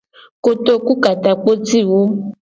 Kotoku ka takpo ci wo.